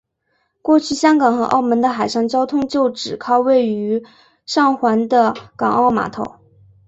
过去香港和澳门的海上交通就只靠位于上环的港澳码头。